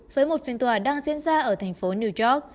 với một phiên tòa đang diễn ra ở thành phố new york